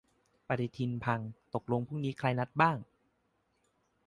ปฏิทินพัง ตกลงพรุ่งนี้นัดใครบ้าง ?